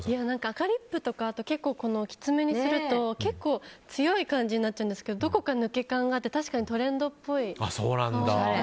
赤リップとか、あと結構きつめにすると結構強い感じになっちゃうんですけどどこか抜け感があって確かにトレンドっぽい。